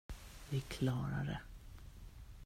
Vi klarade det!